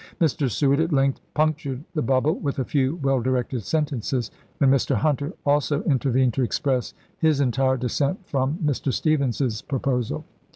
Mr. Seward at length punctured the bubble with a few well directed sentences, when Mr. Hunter also inter vened to express his entire dissent from Mr. Stephens's proposal.